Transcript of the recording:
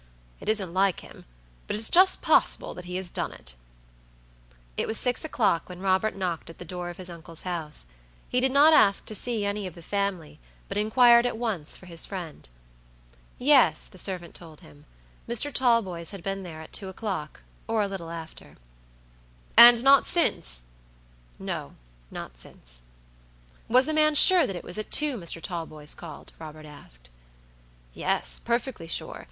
It isn't like him, but it's just possible that he has done it." It was six o'clock when Robert knocked at the door of his uncle's house. He did not ask to see any of the family, but inquired at once for his friend. Yes, the servant told him; Mr. Talboys had been there at two o'clock or a little after. "And not since?" "No, not since." Was the man sure that it was at two Mr. Talboys called? Robert asked. Yes, perfectly sure.